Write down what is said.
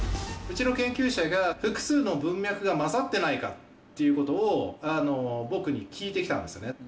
うちの研究者が、複数の文脈が混ざってないかということを僕に聞いてきたんですよね。